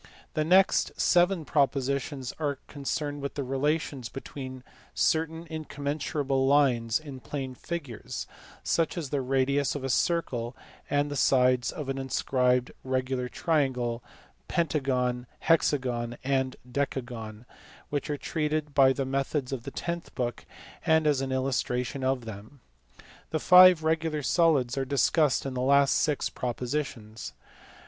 The next seven propositions are concerned with the relations between certain incommensurable lines in plane figures (such as the radius of a circle and the sides of an inscribed regular triangle, pentagon, hexagon, and decagon) which are treated by the methods of the tenth book and as an illustration of them. The five regular solids are discussed in the last six propositions.